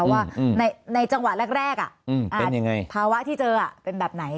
ว่าในจังหวะแรกภาวะที่เจอเป็นแบบไหน